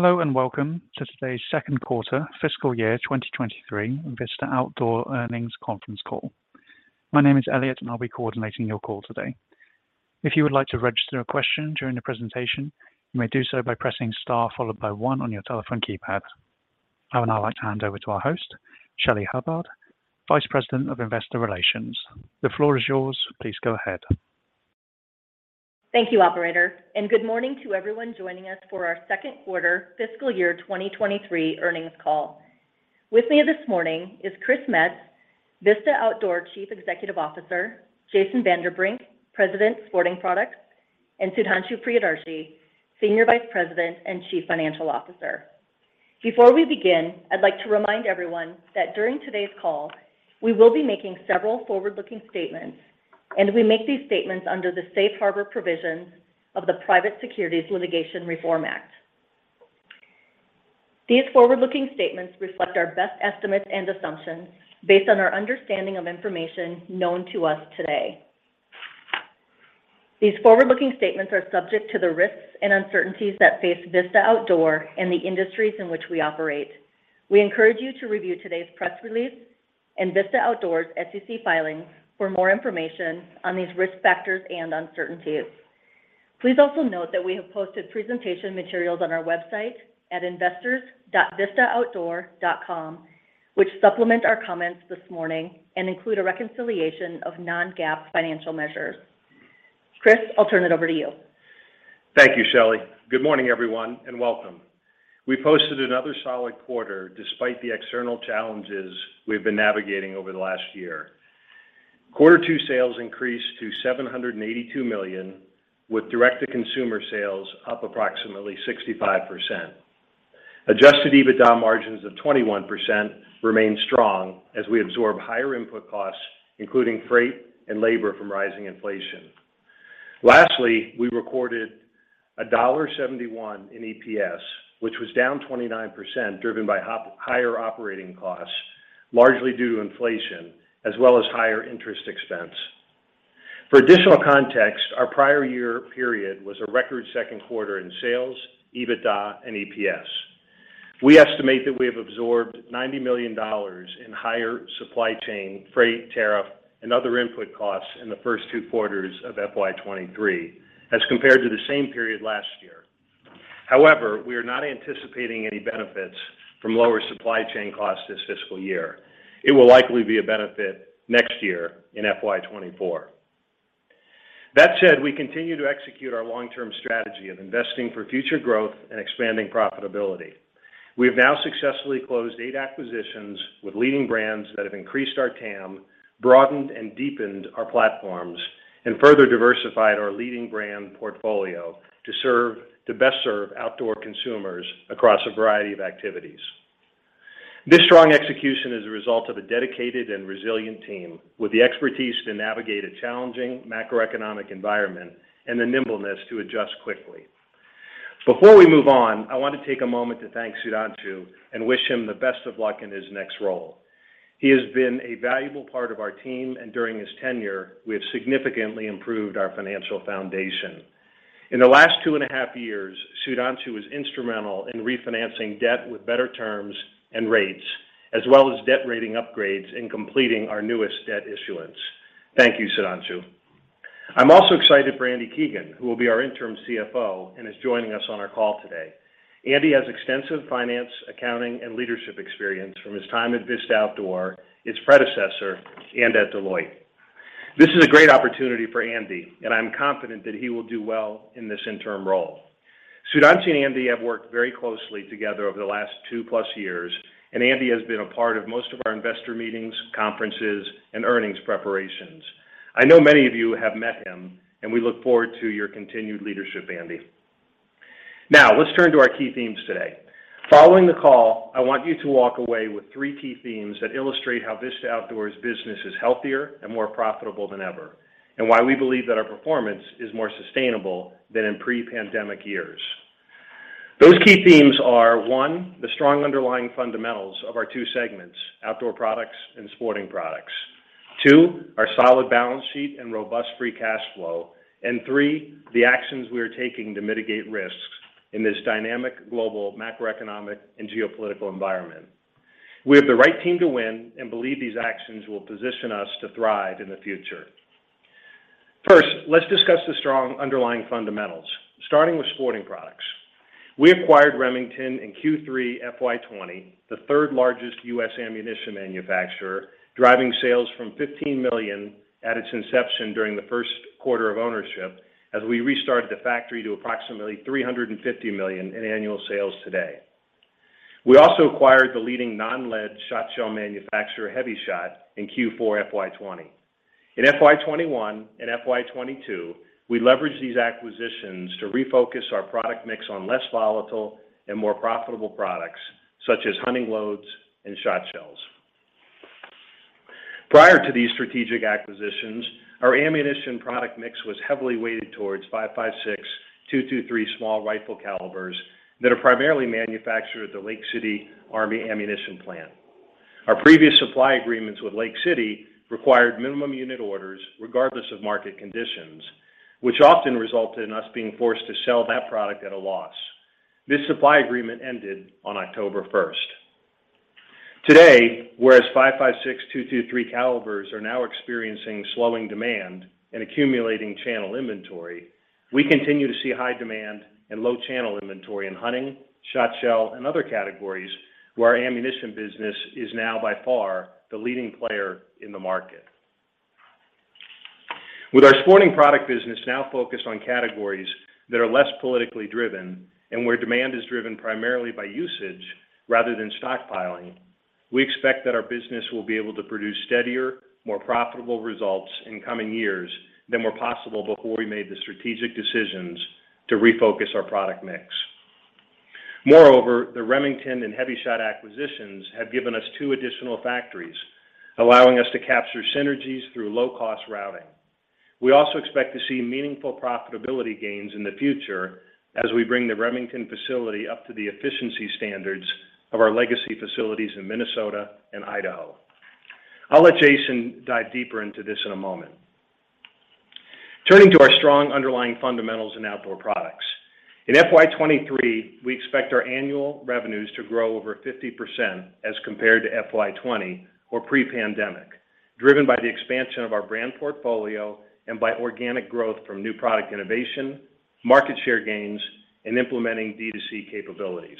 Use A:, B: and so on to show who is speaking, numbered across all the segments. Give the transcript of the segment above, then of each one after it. A: Hello, and welcome to today's Second Quarter Fiscal Year 2023 Vista Outdoor earnings conference call. My name is Elliot, and I'll be coordinating your call today. If you would like to register a question during the presentation, you may do so by pressing star followed by one on your telephone keypad. I would now like to hand over to our host, Shelly Hubbard, Vice President of Investor Relations. The floor is yours. Please go ahead.
B: Thank you, Operator, and good morning to everyone joining us for our second quarter fiscal year 2023 earnings call. With me this morning is Chris Metz, Vista Outdoor Chief Executive Officer, Jason Vanderbrink, President, Sporting Products, and Sudhanshu Priyadarshi, Senior Vice President and Chief Financial Officer. Before we begin, I'd like to remind everyone that during today's call, we will be making several forward-looking statements, and we make these statements under the Safe Harbor provisions of the Private Securities Litigation Reform Act. These forward-looking statements reflect our best estimates and assumptions based on our understanding of information known to us today. These forward-looking statements are subject to the risks and uncertainties that face Vista Outdoor and the industries in which we operate. We encourage you to review today's press release and Vista Outdoor's SEC filings for more information on these risk factors and uncertainties. Please also note that we have posted presentation materials on our website at investors.vistaoutdoor.com, which supplement our comments this morning and include a reconciliation of non-GAAP financial measures. Chris, I'll turn it over to you.
C: Thank you, Shelly. Good morning, everyone, and welcome. We posted another solid quarter despite the external challenges we've been navigating over the last year. Quarter 2 sales increased to $782 million, with direct-to-consumer sales up approximately 65%. Adjusted EBITDA margins of 21% remain strong as we absorb higher input costs, including freight and labor from rising inflation. Lastly, we recorded $1.71 in EPS, which was down 29%, driven by higher operating costs, largely due to inflation, as well as higher interest expense. For additional context, our prior year period was a record second quarter in sales, EBITDA, and EPS. We estimate that we have absorbed $90 million in higher supply chain, freight, tariff, and other input costs in the first 2 quarters of FY 2023 as compared to the same period last year. However, we are not anticipating any benefits from lower supply chain costs this fiscal year. It will likely be a benefit next year in FY 2024. That said, we continue to execute our long-term strategy of investing for future growth and expanding profitability. We have now successfully closed eight acquisitions with leading brands that have increased our TAM, broadened and deepened our platforms, and further diversified our leading brand portfolio to best serve outdoor consumers across a variety of activities. This strong execution is a result of a dedicated and resilient team with the expertise to navigate a challenging macroeconomic environment and the nimbleness to adjust quickly. Before we move on, I want to take a moment to thank Sudhanshu and wish him the best of luck in his next role. He has been a valuable part of our team, and during his tenure, we have significantly improved our financial foundation. In the last 2.5 years, Sudhanshu was instrumental in refinancing debt with better terms and rates, as well as debt rating upgrades in completing our newest debt issuance. Thank you, Sudhanshu. I'm also excited for Andy Keegan, who will be our Interim CFO and is joining us on our call today. Andy has extensive finance, accounting, and leadership experience from his time at Vista Outdoor, its predecessor, and at Deloitte. This is a great opportunity for Andy, and I'm confident that he will do well in this interim role. Sudhanshu and Andy have worked very closely together over the last 2+ years, and Andy has been a part of most of our investor meetings, conferences, and earnings preparations. I know many of you have met him, and we look forward to your continued leadership, Andy. Now, let's turn to our key themes today. Following the call, I want you to walk away with three key themes that illustrate how Vista Outdoor's business is healthier and more profitable than ever. And why we believe that our performance is more sustainable than in pre-pandemic years. Those key themes are, one, the strong underlying fundamentals of our two segments, Outdoor Products and Sporting Products. Two, our solid balance sheet and robust free cash flow, and three, the actions we are taking to mitigate risks in this dynamic global macroeconomic and geopolitical environment. We have the right team to win and believe these actions will position us to thrive in the future. First, let's discuss the strong underlying fundamentals, starting with Sporting Products. We acquired Remington in Q3 FY 2020, the third-largest U.S. ammunition manufacturer, driving sales from $15 million at its inception during the first quarter of ownership as we restarted the factory to approximately $350 million in annual sales today. We also acquired the leading non-lead shot shell manufacturer, HEVI-Shot, in Q4 FY 2020. In FY 2021 and FY 2022, we leveraged these acquisitions to refocus our product mix on less volatile and more profitable products, such as hunting loads and shot shells. Prior to these strategic acquisitions, our ammunition product mix was heavily weighted towards 5.56mm/.223 mm small rifle calibers that are primarily manufactured at the Lake City Army ammunition plant. Our previous supply agreements with Lake City required minimum unit orders regardless of market conditions, which often resulted in us being forced to sell that product at a loss. This supply agreement ended on October first. Today, whereas 5.56 mm/.223 mm calibers are now experiencing slowing demand and accumulating channel inventory. We continue to see high demand and low channel inventory in hunting, shot shell, and other categories where our ammunition business is now by far the leading player in the market. With our Sporting Products business now focused on categories that are less politically driven and where demand is driven primarily by usage rather than stockpiling. We expect that our business will be able to produce steadier, more profitable results in coming years than were possible before we made the strategic decisions to refocus our product mix. Moreover, the Remington and HEVI-Shot acquisitions have given us two additional factories, allowing us to capture synergies through low-cost routing. We also expect to see meaningful profitability gains in the future as we bring the Remington facility up to the efficiency standards of our legacy facilities in Minnesota and Idaho. I'll let Jason dive deeper into this in a moment. Turning to our strong underlying fundamentals in Outdoor Products. In FY 2023, we expect our annual revenues to grow over 50% as compared to FY 2020, or pre-pandemic, driven by the expansion of our brand portfolio and by organic growth from new product innovation, market share gains, and implementing D2C capabilities.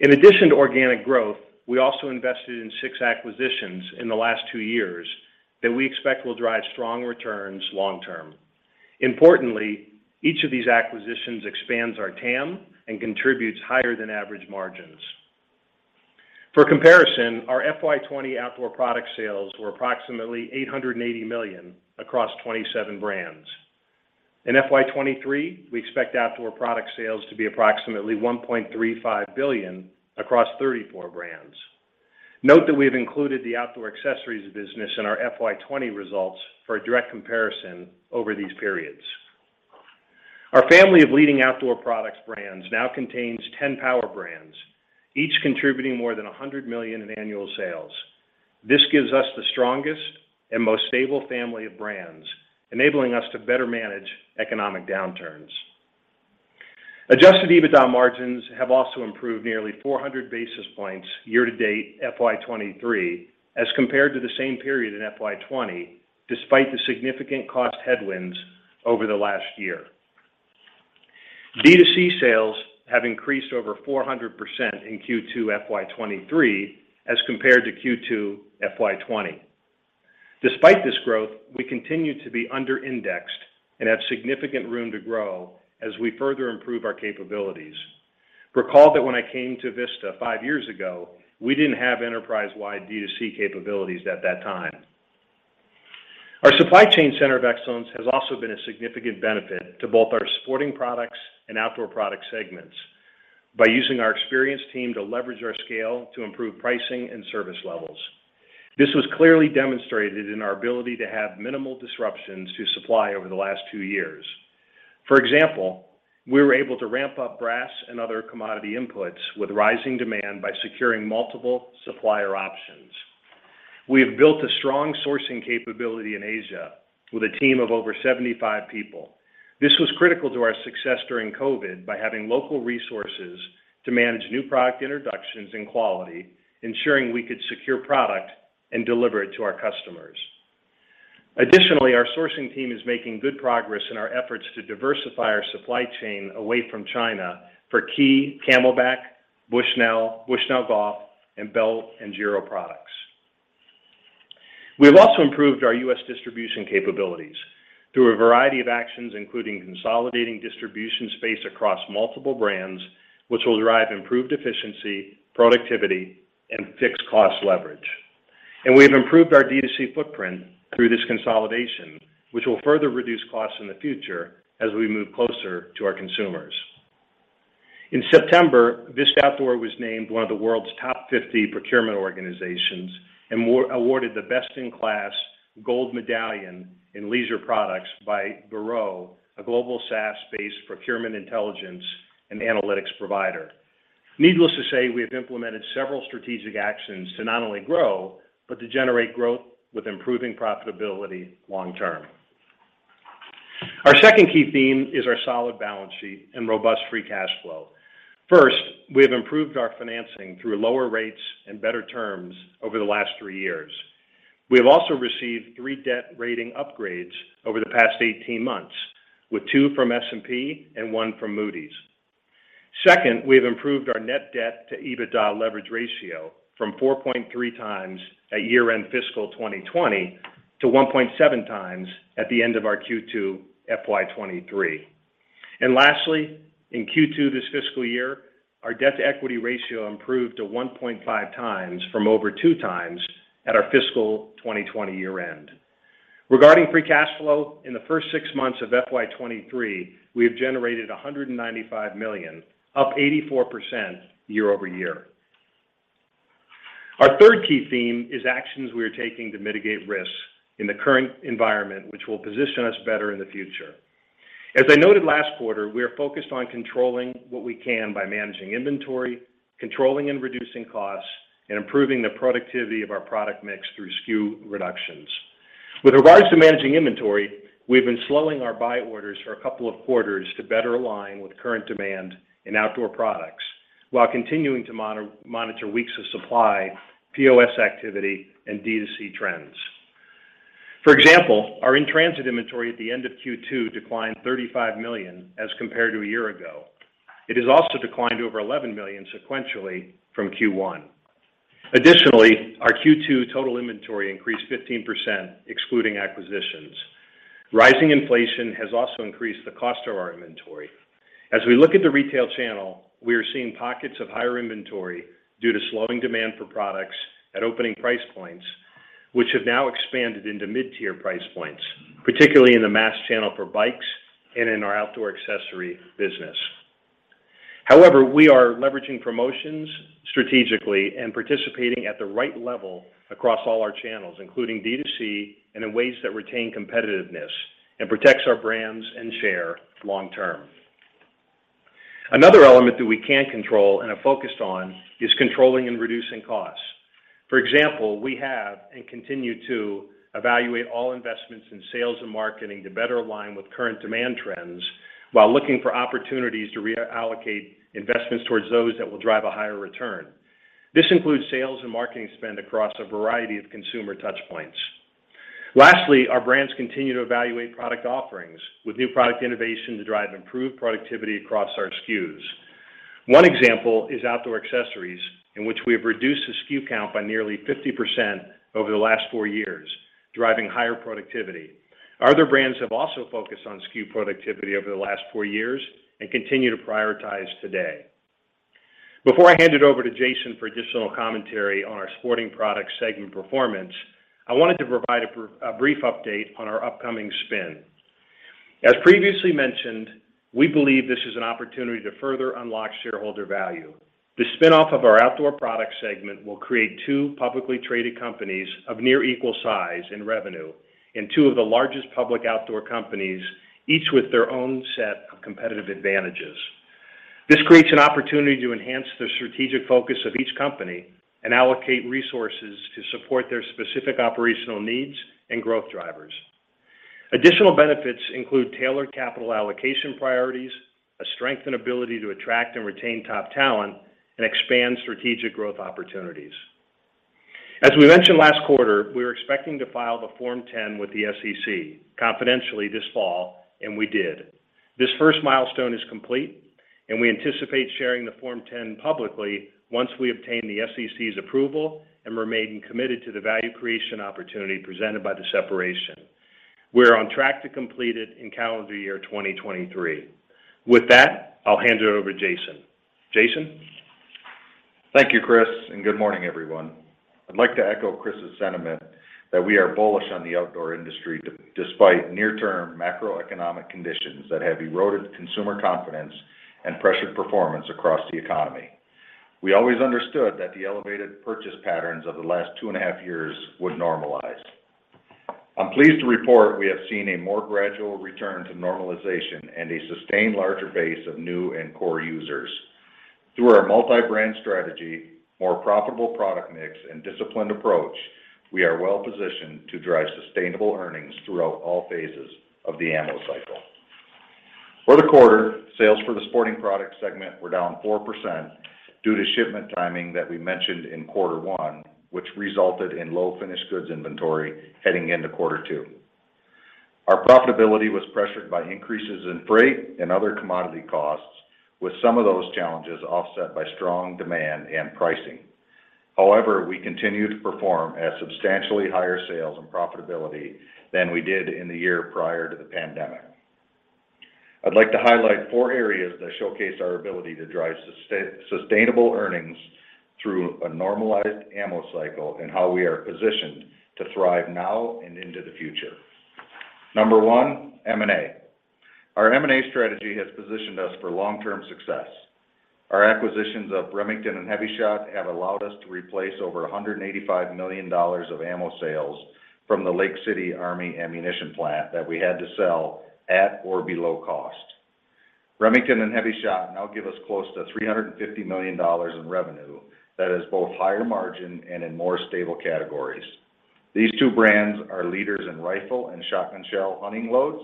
C: In addition to organic growth, we also invested in six acquisitions in the last two years that we expect will drive strong returns long term. Importantly, each of these acquisitions expands our TAM and contributes higher than average margins. For comparison, our FY 2020 outdoor product sales were approximately $880 million across 27 brands. In FY 2023, we expect outdoor product sales to be approximately $1.35 billion across 34 brands. Note that we have included the Outdoor Accessories business in our FY 2020 results for a direct comparison over these periods. Our family of leading Outdoor Products brands now contains 10 power brands, each contributing more than $100 million in annual sales. This gives us the strongest and most stable family of brands, enabling us to better manage economic downturns. Adjusted EBITDA margins have also improved nearly 400 basis points year-to-date FY 2023 as compared to the same period in FY 2020, despite the significant cost headwinds over the last year. D2C sales have increased over 400% in Q2 FY 2023, as compared to Q2 FY 2020. Despite this growth, we continue to be under-indexed and have significant room to grow as we further improve our capabilities. Recall that when I came to Vista five years ago, we didn't have enterprise-wide D2C capabilities at that time. Our supply chain center of excellence has also been a significant benefit to both our Sporting Products and Outdoor Products segments by using our experienced team to leverage our scale to improve pricing and service levels. This was clearly demonstrated in our ability to have minimal disruptions to supply over the last two years. For example, we were able to ramp up brass and other commodity inputs with rising demand by securing multiple supplier options. We have built a strong sourcing capability in Asia with a team of over 75 people. This was critical to our success during COVID by having local resources to manage new product introductions and quality, ensuring we could secure product and deliver it to our customers. Additionally, our sourcing team is making good progress in our efforts to diversify our supply chain away from China for key CamelBak, Bushnell Golf, and Bell and Giro products. We have also improved our U.S. distribution capabilities through a variety of actions, including consolidating distribution space across multiple brands, which will drive improved efficiency, productivity, and fixed cost leverage. We have improved our D2C footprint through this consolidation, which will further reduce costs in the future as we move closer to our consumers. In September, Vista Outdoor was named one of the World's Top 50 Procurement Organizations and more, awarded the Best in Class Gold Medallion in leisure products by Beroe, a global SaaS-based procurement intelligence and analytics provider. Needless to say, we have implemented several strategic actions to not only grow, but to generate growth with improving profitability long term. Our second key theme is our solid balance sheet and robust free cash flow. First, we have improved our financing through lower rates and better terms over the last three years. We have also received three debt rating upgrades over the past 18 months, with two from S&P and one from Moody's. Second, we have improved our net debt to EBITDA leverage ratio from 4.3x at year-end fiscal 2020 to 1.7x at the end of our Q2 FY 2023. Lastly, in Q2 this fiscal year, our debt to equity ratio improved to 1.5x from over 2x at our fiscal 2020 year end. Regarding free cash flow, in the first six months of FY 2023, we have generated $195 million, up 84% year-over-year. Our third key theme is actions we are taking to mitigate risks in the current environment, which will position us better in the future. As I noted last quarter, we are focused on controlling what we can by managing inventory, controlling and reducing costs, and improving the productivity of our product mix through SKU reductions. With regards to managing inventory, we've been slowing our buy orders for a couple of quarters to better align with current demand in Outdoor Products while continuing to monitor weeks of supply, POS activity, and D2C trends. For example, our in-transit inventory at the end of Q2 declined $35 million as compared to a year ago. It has also declined to over $11 million sequentially from Q1. Additionally, our Q2 total inventory increased 15% excluding acquisitions. Rising inflation has also increased the cost of our inventory. As we look at the retail channel, we are seeing pockets of higher inventory due to slowing demand for products at opening price points, which have now expanded into mid-tier price points. Particularly in the mass channel for bikes and in our outdoor accessory business. However, we are leveraging promotions strategically and participating at the right level across all our channels, including D2C, and in ways that retain competitiveness and protects our brands and share long term. Another element that we can control and are focused on is controlling and reducing costs. For example, we have and continue to evaluate all investments in sales and marketing to better align with current demand trends while looking for opportunities to reallocate investments towards those that will drive a higher return. This includes sales and marketing spend across a variety of consumer touch points. Lastly, our brands continue to evaluate product offerings with new product innovation to drive improved productivity across our SKUs. One example is Outdoor Accessories, in which we have reduced the SKU count by nearly 50% over the last four years, driving higher productivity. Our other brands have also focused on SKU productivity over the last four years and continue to prioritize today. Before I hand it over to Jason for additional commentary on our Sporting Products segment performance, I wanted to provide a brief update on our upcoming spin. As previously mentioned, we believe this is an opportunity to further unlock shareholder value. The spin-off of our Outdoor Products segment will create two publicly traded companies of near equal size in revenue and two of the largest public outdoor companies, each with their own set of competitive advantages. This creates an opportunity to enhance the strategic focus of each company and allocate resources to support their specific operational needs and growth drivers. Additional benefits include tailored capital allocation priorities, a strengthened ability to attract and retain top talent, and expand strategic growth opportunities. As we mentioned last quarter, we were expecting to file the Form 10 with the SEC confidentially this fall, and we did. This first milestone is complete, and we anticipate sharing the Form 10 publicly once we obtain the SEC's approval and remain committed to the value creation opportunity presented by the separation. We're on track to complete it in calendar year 2023. With that, I'll hand it over to Jason. Jason?
D: Thank you, Chris, and good morning, everyone. I'd like to echo Chris's sentiment that we are bullish on the outdoor industry despite near-term macroeconomic conditions that have eroded consumer confidence and pressured performance across the economy. We always understood that the elevated purchase patterns of the last 2.5 years would normalize. I'm pleased to report we have seen a more gradual return to normalization and a sustained larger base of new and core users. Through our multi-brand strategy, more profitable product mix, and disciplined approach, we are well positioned to drive sustainable earnings throughout all phases of the ammo cycle. For the quarter, sales for the Sporting Products segment were down 4% due to shipment timing that we mentioned in quarter 1, which resulted in low finished goods inventory heading into quarter 2. Our profitability was pressured by increases in freight and other commodity costs, with some of those challenges offset by strong demand and pricing. However, we continue to perform at substantially higher sales and profitability than we did in the year prior to the pandemic. I'd like to highlight four areas that showcase our ability to drive sustainable earnings through a normalized ammo cycle and how we are positioned to thrive now and into the future. Number one, M&A. Our M&A strategy has positioned us for long-term success. Our acquisitions of Remington and HEVI-Shot have allowed us to replace over $185 million of ammo sales from the Lake City Army ammunition plant that we had to sell at or below cost. Remington and HEVI-Shot now give us close to $350 million in revenue that is both higher margin and in more stable categories. These two brands are leaders in rifle and shotgun shell hunting loads,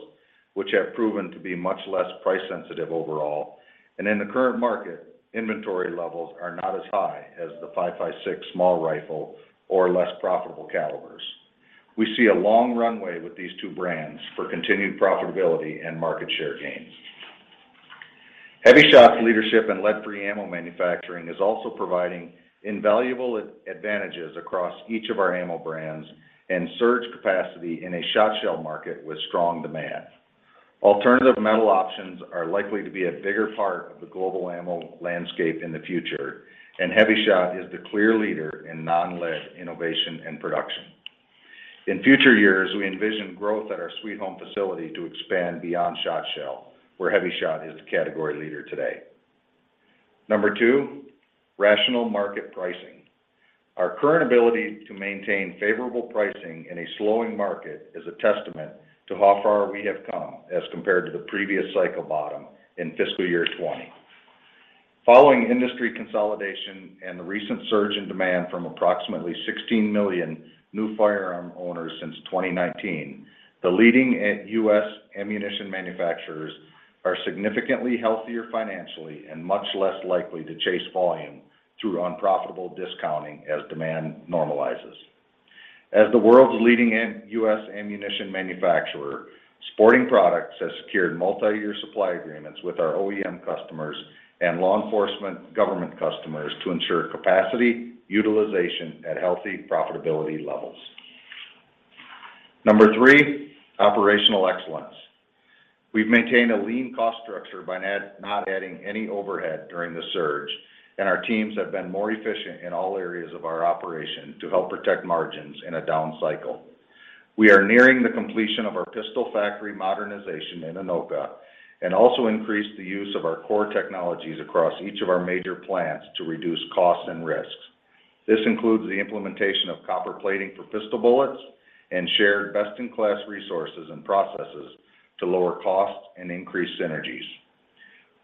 D: which have proven to be much less price sensitive overall. In the current market, inventory levels are not as high as the 5.56 mm small rifle or less profitable calibers. We see a long runway with these two brands for continued profitability and market share gains. HEVI-Shot's leadership in lead-free ammo manufacturing is also providing invaluable advantages across each of our ammo brands and surge capacity in a shot shell market with strong demand. Alternative metal options are likely to be a bigger part of the global ammo landscape in the future, and HEVI-Shot is the clear leader in non-lead innovation and production. In future years, we envision growth at our Sweet Home facility to expand beyond shot shell, where HEVI-Shot is the category leader today. Number two, rational market pricing. Our current ability to maintain favorable pricing in a slowing market is a testament to how far we have come as compared to the previous cycle bottom in fiscal year 2020. Following industry consolidation and the recent surge in demand from approximately 16 million new firearm owners since 2019, the leading U.S. ammunition manufacturers are significantly healthier financially and much less likely to chase volume through unprofitable discounting as demand normalizes. As the world's leading U.S. ammunition manufacturer, Sporting Products has secured multi-year supply agreements with our OEM customers and law enforcement government customers to ensure capacity utilization at healthy profitability levels. Number three, operational excellence. We've maintained a lean cost structure by not adding any overhead during the surge, and our teams have been more efficient in all areas of our operation to help protect margins in a down cycle. We are nearing the completion of our pistol factory modernization in Anoka and also increased the use of our core technologies across each of our major plants to reduce costs and risks. This includes the implementation of copper plating for pistol bullets and shared best-in-class resources and processes to lower costs and increase synergies.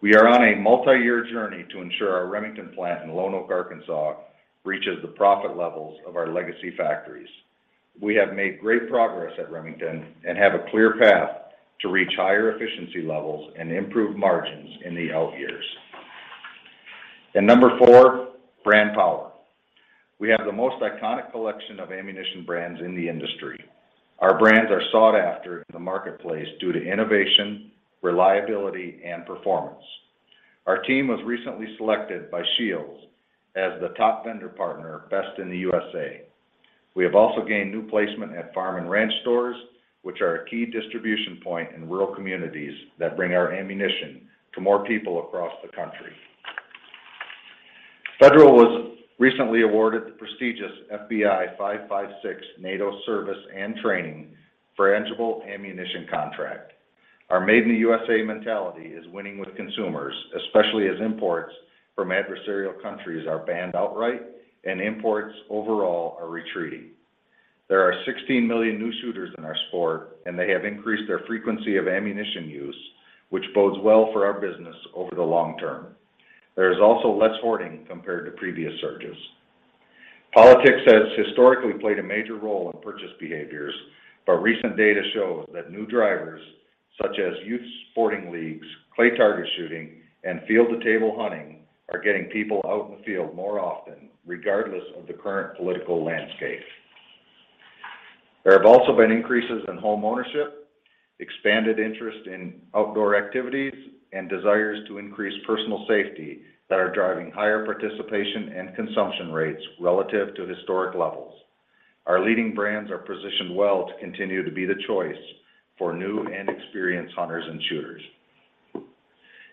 D: We are on a multi-year journey to ensure our Remington plant in Lonoke, Arkansas, reaches the profit levels of our legacy factories. We have made great progress at Remington and have a clear path to reach higher efficiency levels and improve margins in the out years. Number four, brand power. We have the most iconic collection of ammunition brands in the industry. Our brands are sought after in the marketplace due to innovation, reliability, and performance. Our team was recently selected by Scheels as the top vendor partner best in the U.S.A. We have also gained new placement at farm and ranch stores, which are a key distribution point in rural communities that bring our ammunition to more people across the country. Federal was recently awarded the prestigious FBI 5.56 mm NATO service and training for frangible ammunition contract. Our Made in the USA mentality is winning with consumers, especially as imports from adversarial countries are banned outright and imports overall are retreating. There are 16 million new shooters in our sport, and they have increased their frequency of ammunition use, which bodes well for our business over the long term. There is also less hoarding compared to previous surges. Politics has historically played a major role in purchase behaviors, but recent data shows that new drivers, such as youth sporting leagues, clay target shooting, and field-to-table hunting, are getting people out in the field more often, regardless of the current political landscape. There have also been increases in home ownership, expanded interest in outdoor activities, and desires to increase personal safety that are driving higher participation and consumption rates relative to historic levels. Our leading brands are positioned well to continue to be the choice for new and experienced hunters and shooters.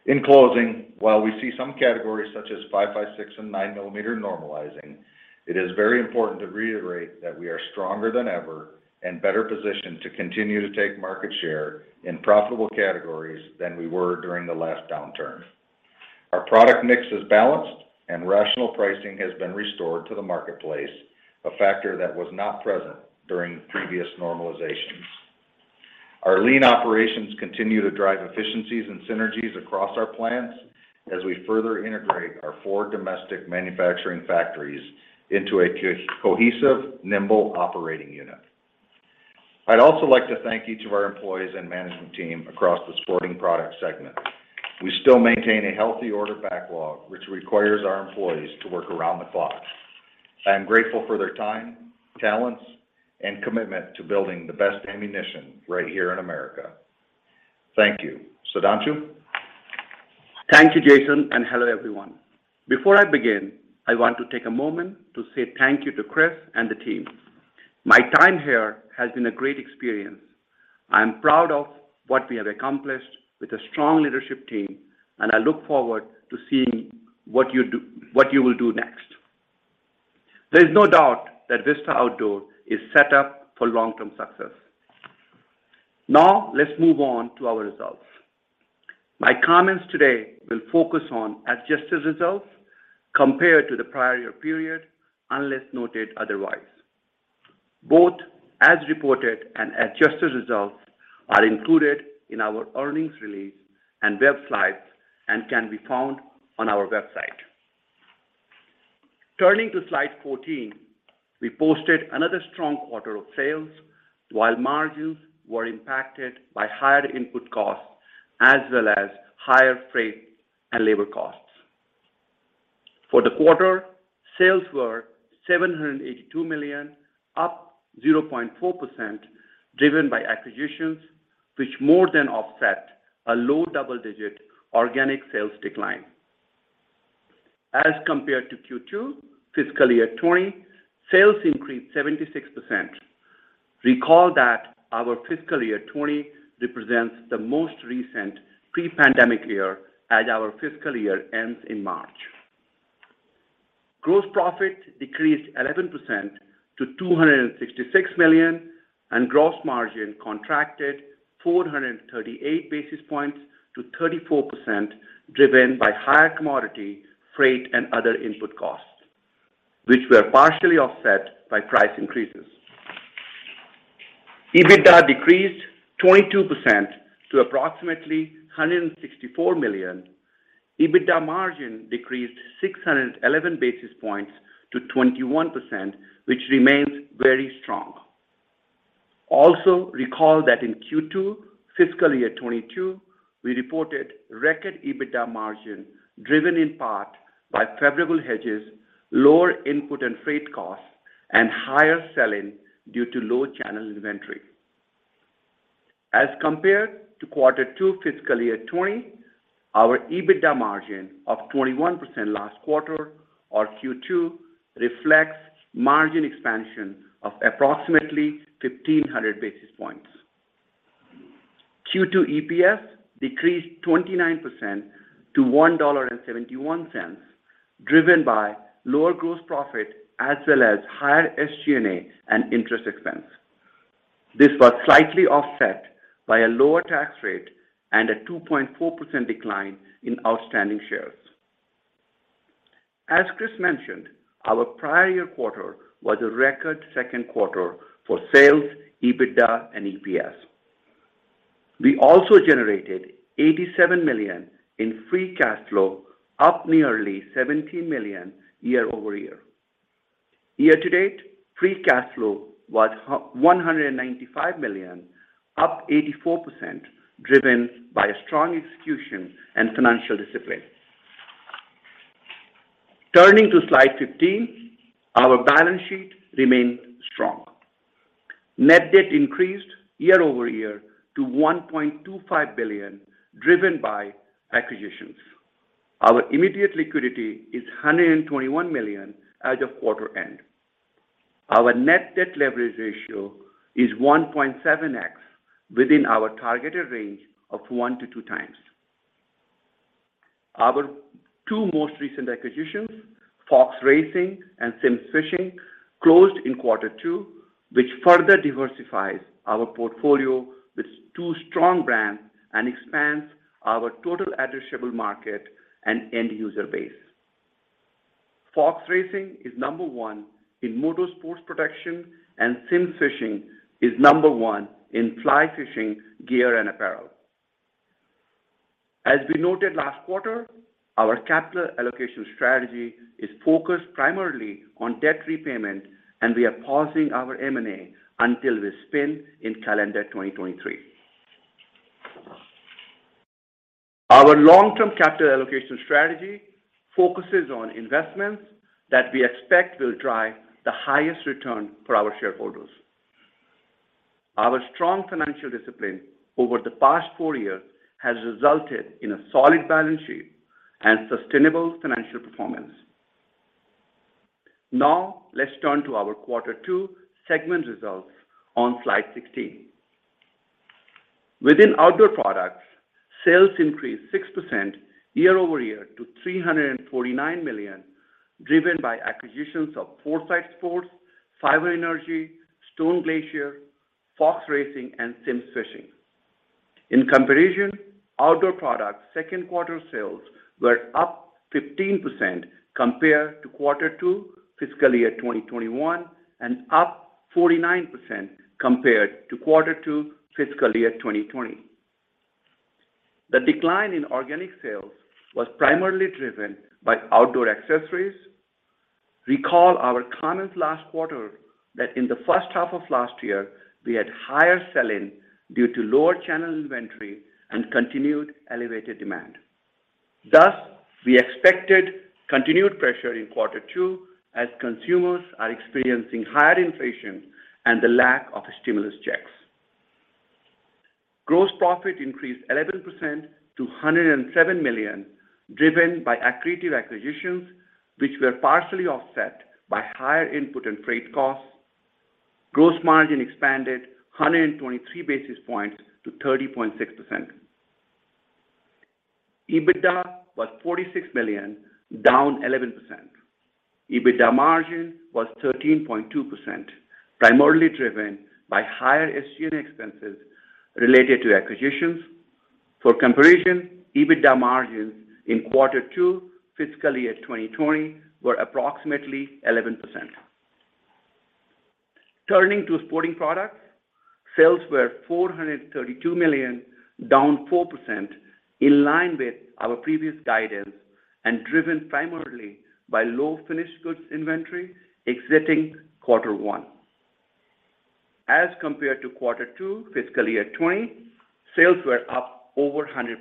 D: In closing, while we see some categories such as 5.56 mm and 9 mm normalizing, it is very important to reiterate that we are stronger than ever and better positioned to continue to take market share in profitable categories than we were during the last downturn. Our product mix is balanced, and rational pricing has been restored to the marketplace, a factor that was not present during previous normalizations. Our lean operations continue to drive efficiencies and synergies across our plants as we further integrate our four domestic manufacturing factories into a cohesive, nimble operating unit. I'd also like to thank each of our employees and management team across the sporting product segment. We still maintain a healthy order backlog, which requires our employees to work around the clock. I am grateful for their time, talents, and commitment to building the best ammunition right here in America. Thank you. Sudhanshu?
E: Thank you, Jason, and hello, everyone. Before I begin, I want to take a moment to say thank you to Chris and the team. My time here has been a great experience. I'm proud of what we have accomplished with a strong leadership team, and I look forward to seeing what you will do next. There's no doubt that Vista Outdoor is set up for long-term success. Now let's move on to our results. My comments today will focus on adjusted results compared to the prior year period, unless noted otherwise. Both as reported and adjusted results are included in our earnings release and web slides and can be found on our website. Turning to slide 14, we posted another strong quarter of sales while margins were impacted by higher input costs as well as higher freight and labor costs. For the quarter, sales were $782 million, up 0.4%, driven by acquisitions, which more than offset a low double-digit organic sales decline. As compared to Q2, fiscal year 2020, sales increased 76%. Recall that our fiscal year 2020 represents the most recent pre-pandemic year as our fiscal year ends in March. Gross profit decreased 11% to $266 million, and gross margin contracted 438 basis points to 34%, driven by higher commodity, freight, and other input costs. Which were partially offset by price increases. EBITDA decreased 22% to approximately $164 million. EBITDA margin decreased 611 basis points to 21%, which remains very strong. Also, recall that in Q2 fiscal year 2022, we reported record EBITDA margin driven in part by favorable hedges, lower input and freight costs, and higher selling due to low channel inventory. As compared to quarter 2 fiscal year 2020, our EBITDA margin of 21% last quarter or Q2 reflects margin expansion of approximately 1,500 basis points. Q2 EPS decreased 29% to $1.71, driven by lower gross profit as well as higher SG&A and interest expense. This was slightly offset by a lower tax rate and a 2.4% decline in outstanding shares. As Chris mentioned, our prior quarter was a record second quarter for sales, EBITDA, and EPS. We also generated $87 million in free cash flow, up nearly $70 million year-over-year. Year-to-date, free cash flow was $195 million, up 84%, driven by a strong execution and financial discipline. Turning to slide 15, our balance sheet remained strong. Net debt increased year-over-year to $1.25 billion driven by acquisitions. Our immediate liquidity is $121 million as of quarter end. Our net debt leverage ratio is 1.7x within our targeted range of 1x-2x. Our two most recent acquisitions, Fox Racing and Simms Fishing, closed in quarter 2, which further diversifies our portfolio with two strong brands and expands our total addressable market and end user base. Fox Racing is number one in motorsports protection, and Simms Fishing is number one in fly fishing gear and apparel. As we noted last quarter, our capital allocation strategy is focused primarily on debt repayment, and we are pausing our M&A until we spin in calendar 2023. Our long-term capital allocation strategy focuses on investments that we expect will drive the highest return for our shareholders. Our strong financial discipline over the past four years has resulted in a solid balance sheet and sustainable financial performance. Now, let's turn to our quarter 2 segment results on slide 16. Within Outdoor Products, sales increased 6% year-over-year to $349 million, driven by acquisitions of Foresight Sports, Fiber Energy, Stone Glacier, Fox Racing, and Simms Fishing. In comparison, outdoor products second quarter sales were up 15% compared to quarter 2 fiscal year 2021, and up 49% compared to quarter 2 fiscal year 2020. The decline in organic sales was primarily driven by Outdoor Accessories. Recall our comments last quarter that in the first half of last year, we had higher selling due to lower channel inventory and continued elevated demand. Thus, we expected continued pressure in quarter 2 as consumers are experiencing higher inflation and the lack of stimulus checks. Gross profit increased 11% to $107 million, driven by accretive acquisitions, which were partially offset by higher input and freight costs. Gross margin expanded 123 basis points to 30.6%. EBITDA was $46 million, down 11%. EBITDA margin was 13.2%, primarily driven by higher SG&A expenses related to acquisitions. For comparison, EBITDA margins in quarter 2 fiscal year 2020 were approximately 11%. Turning to Sporting Products, sales were $432 million, down 4%, in line with our previous guidance and driven primarily by low finished goods inventory exiting quarter 1. As compared to quarter 2 fiscal year 2020, sales were up over 100%.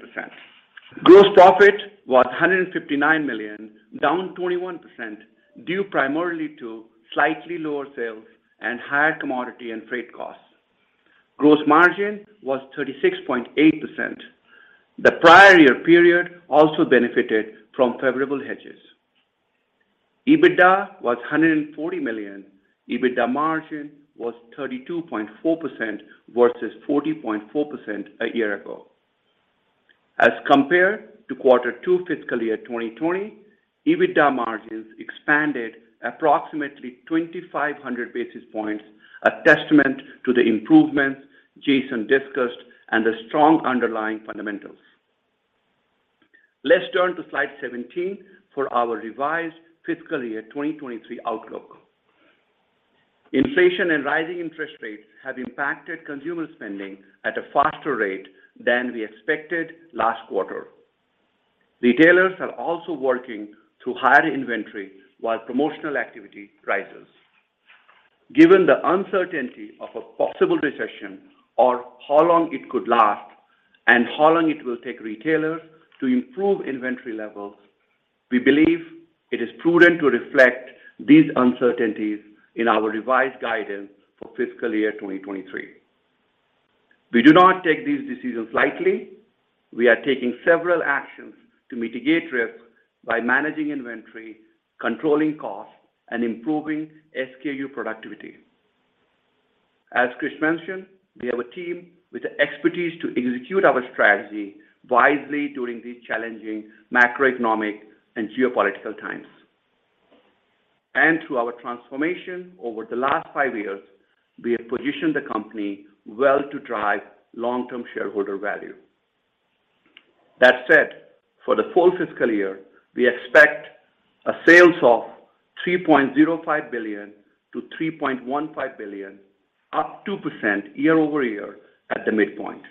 E: Gross profit was $159 million, down 21%, due primarily to slightly lower sales and higher commodity and freight costs. Gross margin was 36.8%. The prior year period also benefited from favorable hedges. EBITDA was $140 million. EBITDA margin was 32.4% versus 40.4% a year ago. As compared to quarter 2 fiscal year 2020, EBITDA margins expanded approximately 2,500 basis points, a testament to the improvements Jason discussed and the strong underlying fundamentals. Let's turn to slide 17 for our revised fiscal year 2023 outlook. Inflation and rising interest rates have impacted consumer spending at a faster rate than we expected last quarter. Retailers are also working through higher inventory while promotional activity rises. Given the uncertainty of a possible recession, or how long it could last, and how long it will take retailers to improve inventory levels, we believe it is prudent to reflect these uncertainties in our revised guidance for fiscal year 2023. We do not take these decisions lightly. We are taking several actions to mitigate risk by managing inventory, controlling costs, and improving SKU productivity. As Chris mentioned, we have a team with the expertise to execute our strategy wisely during these challenging macroeconomic and geopolitical times. Through our transformation over the last five years, we have positioned the company well to drive long-term shareholder value. That said, for the full fiscal year, we expect sales of $3.05 billion-$3.15 billion, up 2% year-over-year at the midpoint.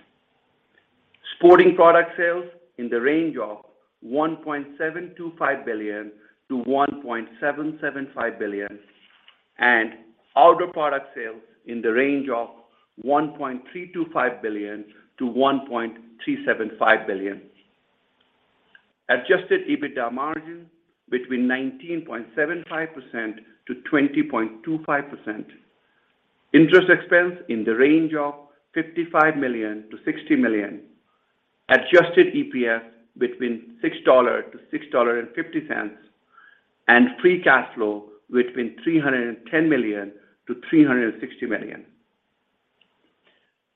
E: Sporting Products sales in the range of $1.725 billion-$1.775 billion, and Outdoor Products sales in the range of $1.325 billion-$1.375 billion. Adjusted EBITDA margin between 19.75%-20.25%. Interest expense in the range of $55 million-$60 million. Adjusted EPS between $6-$6.50. Free cash flow between $310 million-$360 million.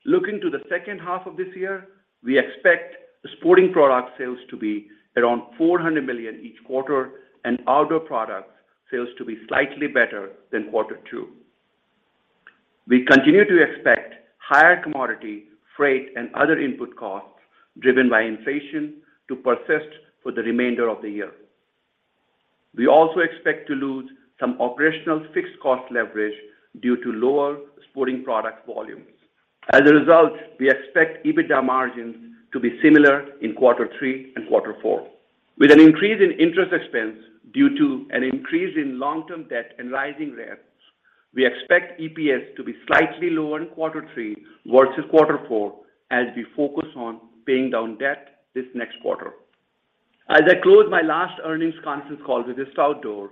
E: Looking to the second half of this year, we expect the Sporting Products sales to be around $400 million each quarter and Outdoor Products sales to be slightly better than quarter 2. We continue to expect higher commodity, freight, and other input costs driven by inflation to persist for the remainder of the year. We also expect to lose some operational fixed cost leverage due to lower Sporting Product volumes. As a result, we expect EBITDA margins to be similar in quarter 3 and quarter 4. With an increase in interest expense due to an increase in long-term debt and rising rates, we expect EPS to be slightly lower in quarter 3 versus quarter 4 as we focus on paying down debt this next quarter. As I close my last earnings conference call with Vista Outdoor,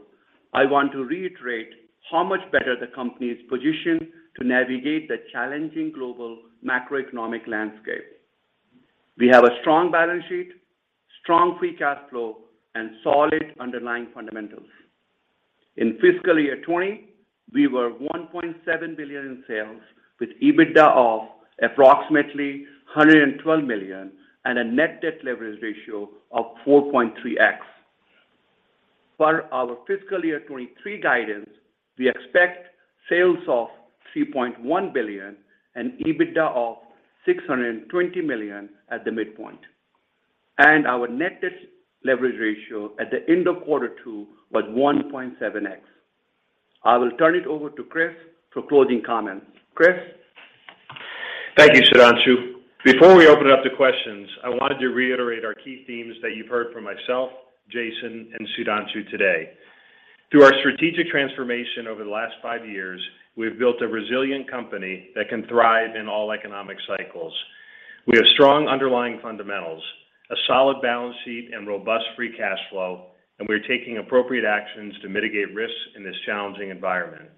E: I want to reiterate how much better the company is positioned to navigate the challenging global macroeconomic landscape. We have a strong balance sheet, strong free cash flow, and solid underlying fundamentals. In fiscal year 2020, we were $1.7 billion in sales with EBITDA of approximately $112 million and a net debt leverage ratio of 4.3x. For our fiscal year 2023 guidance, we expect sales of $3.1 billion and EBITDA of $620 million at the midpoint. Our net debt leverage ratio at the end of quarter 2 was 1.7x. I will turn it over to Chris for closing comments. Chris?
C: Thank you, Sudhanshu. Before we open it up to questions, I wanted to reiterate our key themes that you've heard from myself, Jason, and Sudhanshu today. Through our strategic transformation over the last five years, we've built a resilient company that can thrive in all economic cycles. We have strong underlying fundamentals, a solid balance sheet, and robust free cash flow, and we're taking appropriate actions to mitigate risks in this challenging environment.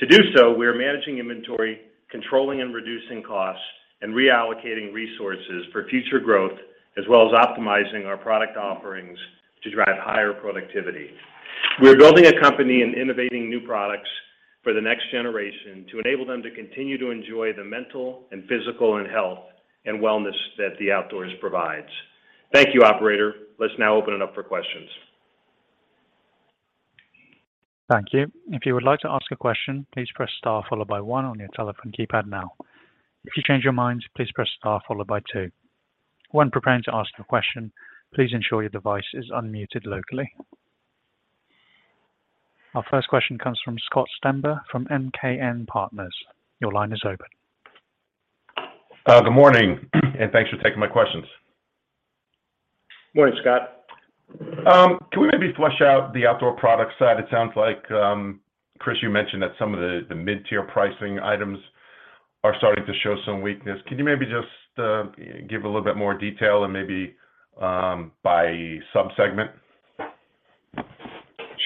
C: To do so, we are managing inventory, controlling and reducing costs, and reallocating resources for future growth, as well as optimizing our product offerings to drive higher productivity. We're building a company and innovating new products for the next generation to enable them to continue to enjoy the mental and physical and health and wellness that the outdoors provides. Thank you, operator. Let's now open it up for questions.
A: Thank you. If you would like to ask a question, please press star followed by one on your telephone keypad now. If you change your mind, please press star followed by two. When preparing to ask a question, please ensure your device is unmuted locally. Our first question comes from Scott Stember from MKM Partners. Your line is open.
F: Good morning, and thanks for taking my questions.
C: Morning, Scott.
F: Can we maybe flesh out the Outdoor Products side? It sounds like, Chris, you mentioned that some of the mid-tier pricing items are starting to show some weakness. Can you maybe just give a little bit more detail and maybe by sub-segment?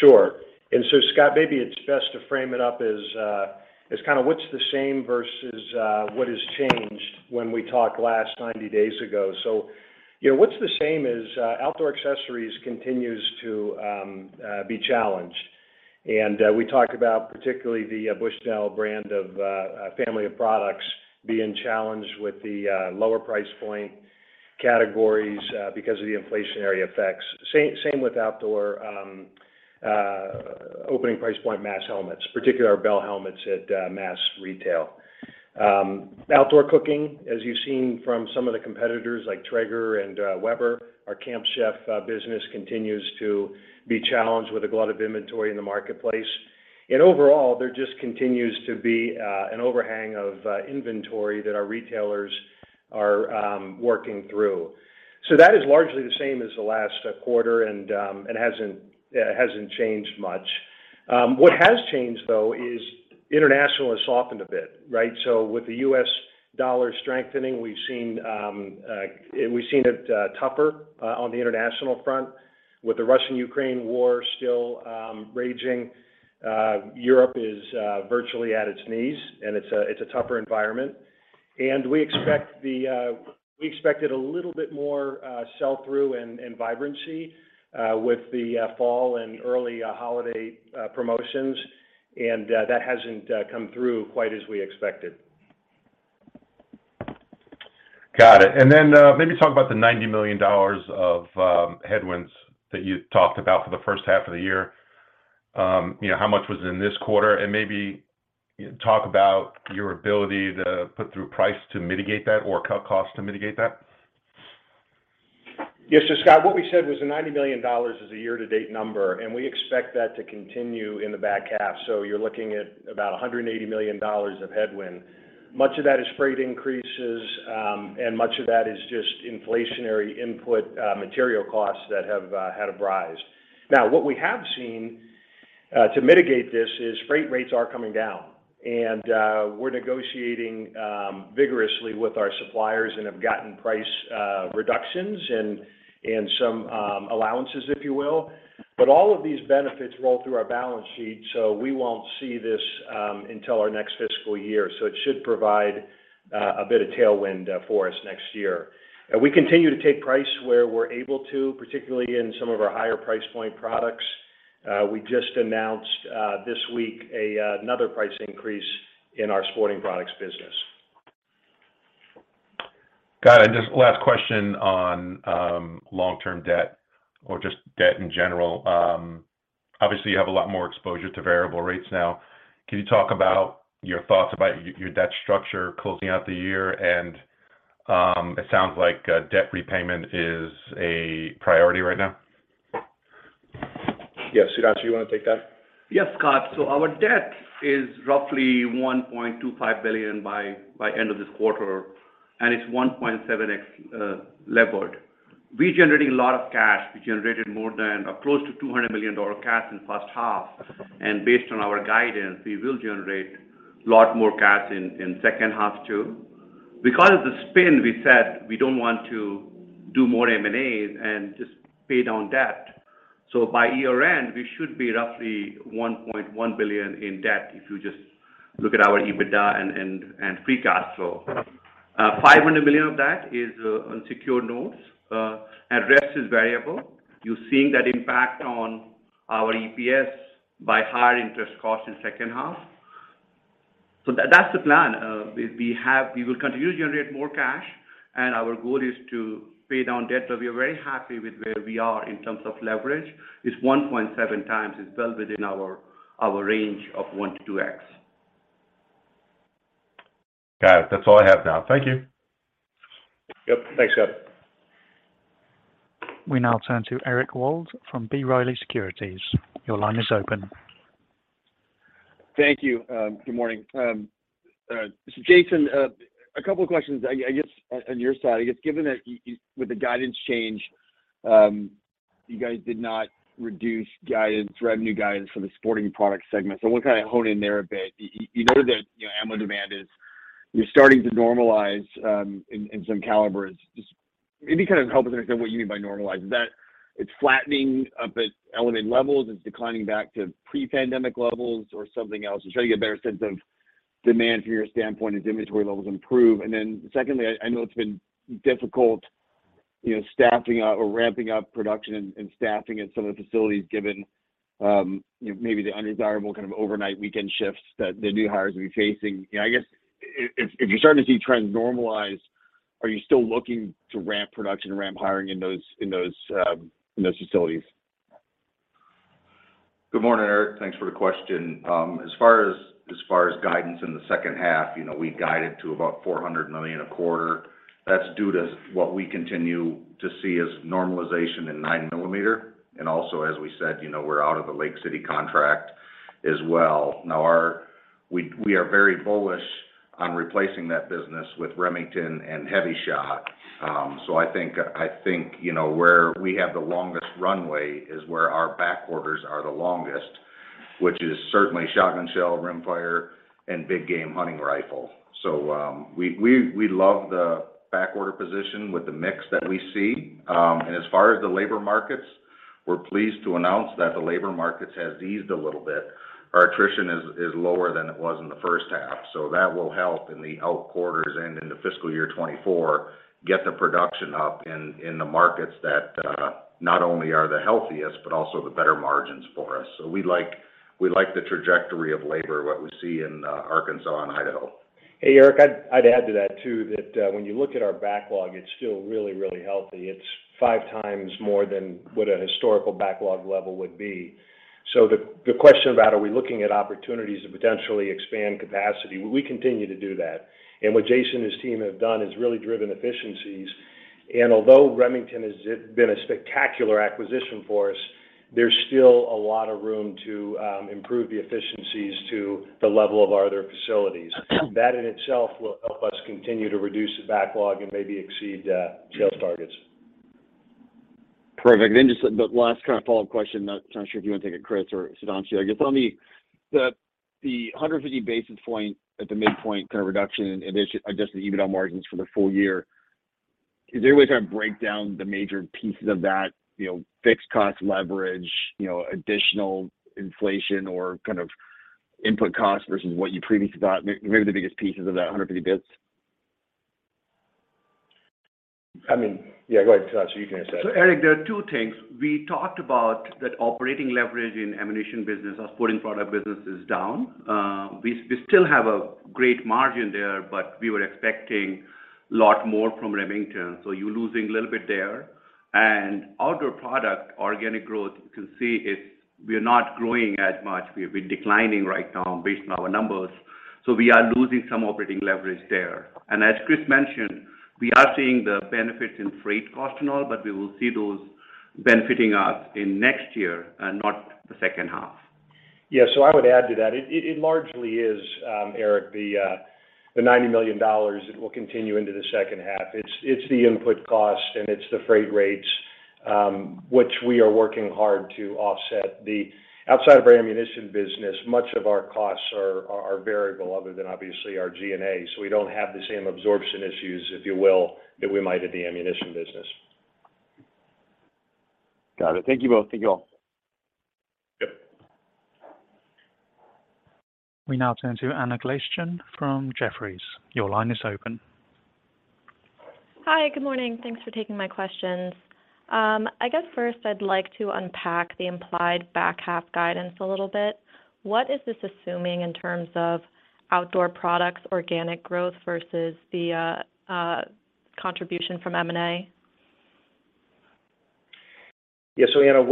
C: Sure. Scott, maybe it's best to frame it up as kind of what's the same versus what has changed when we talked last 90 days ago. You know, what's the same is, Outdoor Accessories continues to be challenged. We talked about particularly the Bushnell brand of family of products being challenged with the lower price point categories because of the inflationary effects. Same with Outdoor opening price point mass helmets, particularly our Bell helmets at mass retail. Outdoor cooking, as you've seen from some of the competitors like Traeger and Weber, our Camp Chef business continues to be challenged with a lot of inventory in the marketplace. Overall, there just continues to be an overhang of inventory that our retailers are working through. That is largely the same as the last quarter and hasn't changed much. What has changed though is international has softened a bit, right? With the U.S. dollar strengthening, we've seen it tougher on the international front. With the Russo-Ukrainian War still raging, Europe is virtually at its knees, and it's a tougher environment. We expected a little bit more sell-through and vibrancy with the fall and early holiday promotions. That hasn't come through quite as we expected.
F: Got it. Maybe talk about the $90 million of headwinds that you talked about for the first half of the year. You know, how much was in this quarter? Maybe, you know, talk about your ability to put through price to mitigate that? Or cut cost to mitigate that?
C: Yes. Scott, what we said was the $90 million is a year-to-date number, and we expect that to continue in the back half. You're looking at about a $180 million of headwind. Much of that is freight increases, and much of that is just inflationary input material costs that have had a rise. What we have seen to mitigate this is freight rates are coming down. We're negotiating vigorously with our suppliers and have gotten price reductions and some allowances, if you will. All of these benefits roll through our balance sheet, so we won't see this until our next fiscal year. It should provide a bit of tailwind for us next year. We continue to take price where we're able to, particularly in some of our higher price point products. We just announced this week another price increase in our Sporting Products business.
F: Got it. Just last question on long-term debt or just debt in general. Obviously, you have a lot more exposure to variable rates now. Can you talk about your thoughts about your debt structure closing out the year? It sounds like debt repayment is a priority right now.
C: Yeah. Sudhanshu, you wanna take that?
E: Yes, Scott. Our debt is roughly $1.25 billion by end of this quarter, and it's 1.7x levered. We're generating a lot of cash. We generated more than or close to $200 million cash in first half. Based on our guidance, we will generate lot more cash in second half too. Because of the spin, we said we don't want to do more M&As and just pay down debt. By year-end, we should be roughly $1.1 billion in debt if you just look at our EBITDA and free cash flow. $500 million of that is unsecured notes, and rest is variable. You're seeing that impact on our EPS by higher interest costs in second half. That's the plan. We will continue to generate more cash, and our goal is to pay down debt. We are very happy with where we are in terms of leverage. This 1.7x is well within our range of 1x-2x.
F: Got it. That's all I have now. Thank you.
C: Yep. Thanks, Scott.
A: We now turn to Eric Wold from B. Riley Securities. Your line is open.
G: Thank you. Good morning. Jason, a couple of questions, I guess on your side. I guess given that with the guidance change, you guys did not reduce guidance, revenue guidance for the Sporting Products segment. I wanna kind of hone in there a bit. You noted that, you know, ammo demand is starting to normalize in some calibers. Just maybe kind of help us understand what you mean by normalize? Is that it's flattening out at elevated levels, it's declining back to pre-pandemic levels or something else? Just trying to get a better sense of demand from your standpoint as inventory levels improve. Secondly, I know it's been difficult, you know, staffing up or ramping up production and staffing at some of the facilities given, you know, maybe the undesirable kind of overnight weekend shifts that the new hires will be facing. You know, I guess if you're starting to see trends normalize, are you still looking to ramp production, ramp hiring in those facilities?
D: Good morning, Eric. Thanks for the question. As far as guidance in the second half, you know, we guided to about $400 million a quarter. That's due to what we continue to see as normalization in 9 mm. Also, as we said, you know, we're out of the Lake City contract as well. Now we are very bullish on replacing that business with Remington and HEVI-Shot. I think, you know, where we have the longest runway is where our backorders are the longest. Which is certainly shotgun shell, rimfire, and big game hunting rifle. We love the backorder position with the mix that we see. As far as the labor markets, we're pleased to announce that the labor markets has eased a little bit. Our attrition is lower than it was in the first half. That will help in the outer quarters and in the fiscal year 2024 get the production up in the markets that not only are the healthiest, but also the better margins for us. We like the trajectory of labor, what we see in Arkansas and Idaho.
C: Hey, Eric, I'd add to that too, that when you look at our backlog, it's still really healthy. It's five times more than what a historical backlog level would be. The question about are we looking at opportunities to potentially expand capacity, well, we continue to do that. What Jason and his team have done is really driven efficiencies. Although Remington has been a spectacular acquisition for us, there's still a lot of room to improve the efficiencies to the level of our other facilities. That in itself will help us continue to reduce the backlog and maybe exceed sales targets.
G: Perfect. Just the last kind of follow-up question. I'm not sure if you want to take it, Chris or Sudhanshu. I guess on the 150 basis point at the midpoint kind of reduction in Adjusted EBITDA margins for the full year. Is there a way to kind of break down the major pieces of that, you know, fixed cost leverage, you know, additional inflation or kind of input costs versus what you previously thought? Maybe the biggest pieces of that 150 basis points.
C: I mean, yeah, go ahead, Sudhanshu. You can answer that.
E: Eric, there are two things. We talked about that operating leverage in ammunition business, our Sporting Products business is down. We still have a great margin there, but we were expecting lot more from Remington, so you're losing a little bit there. Outdoor Products organic growth, you can see it's we are not growing as much. We have been declining right now based on our numbers, so we are losing some operating leverage there. As Chris mentioned, we are seeing the benefits in freight cost and all, but we will see those benefiting us in next year and not the second half.
C: Yeah. I would add to that. It largely is, Eric, the $90 million that will continue into the second half. It's the input cost, and it's the freight rates, which we are working hard to offset. Outside of our ammunition business, much of our costs are variable other than obviously our G&A, so we don't have the same absorption issues, if you will, that we might at the ammunition business.
G: Got it. Thank you both. Thank you all.
C: Yep.
A: We now turn to Anna Glaessgen from Jefferies. Your line is open.
H: Hi. Good morning. Thanks for taking my questions. I guess first I'd like to unpack the implied back half guidance a little bit. What is this assuming in terms of Outdoor products, organic growth versus the contribution from M&A?
C: Anna,